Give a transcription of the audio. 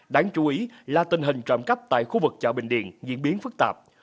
đáng chú ý là tình hình trộm cắp tại khu vực chợ bình điện diễn biến phức tạp